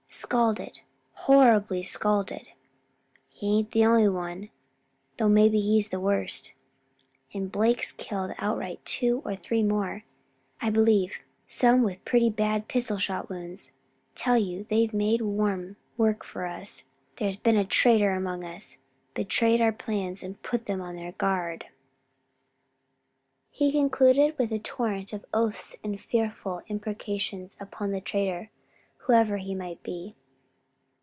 "Scalded; horribly scalded." "He ain't the only one, though maybe he's the worst. And Blake's killed outright; two or three more, I believe; some with pretty bad pistol shot wounds. Tell you they made warm work for us. There's been a traitor among us; betrayed our plans and put 'em on their guard." He concluded with a torrent of oaths and fearful imprecations upon the traitor, whoever he might be.